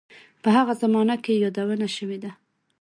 په هغه زمانه کې یې یادونه شوې ده.